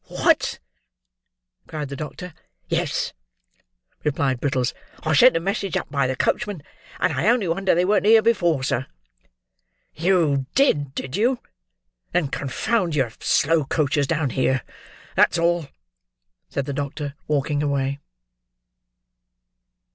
"What?" cried the doctor. "Yes," replied Brittles; "I sent a message up by the coachman, and I only wonder they weren't here before, sir." "You did, did you? Then confound your—slow coaches down here; that's all," said the doctor, walking away.